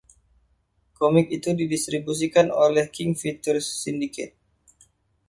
Komik itu didistribusikan oleh King Features Syndicate.